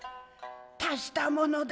大したものだ」。